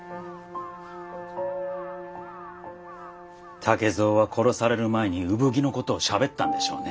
武蔵は殺される前に産着のことをしゃべったんでしょうね。